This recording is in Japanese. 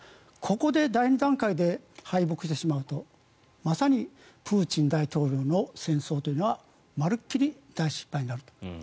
ここで第２段階で敗北してしまうとまさにプーチン大統領の戦争というのは丸っきり大失敗になると。